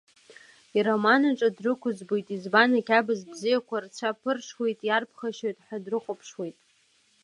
Ироманаҿ дрықәыӡбоит, избан ақьабз бзиақәа рцәа ԥырҽуеит, иарԥхашьоит ҳәа дрыхәаԥшуеит.